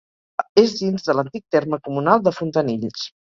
És dins de l'antic terme comunal de Fontanills.